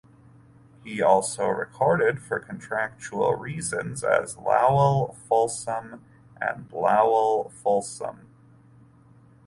He also recorded for contractual reasons as Lowell Fullsom and Lowell Fulsom.